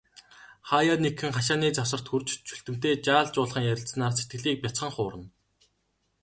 Хааяа нэгхэн, хашааны завсарт хүрч, Чүлтэмтэй жаал жуулхан ярилцсанаар сэтгэлийг бяцхан хуурна.